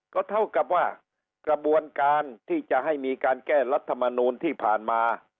ก็เท่ากับว่ากระบวนการที่จะให้มีการแก้รัฐมนูลที่ผ่านมา